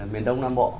miền đông nam bộ